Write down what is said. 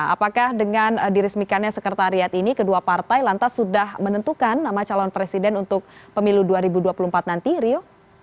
apakah dengan diresmikannya sekretariat ini kedua partai lantas sudah menentukan nama calon presiden untuk pemilu dua ribu dua puluh empat nanti rio